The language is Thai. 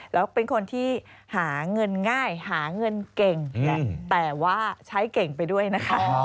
แล้วเป็นคนที่หาเงินง่ายหาเงินเก่งแหละแต่ว่าใช้เก่งไปด้วยนะคะ